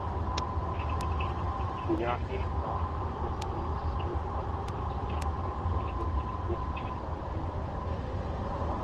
یعنی راہ تدریس سے زیادہ اس گپ شپ میں دلچسپی نظر آتی ہے۔